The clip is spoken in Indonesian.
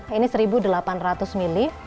ini seribu delapan ratus mili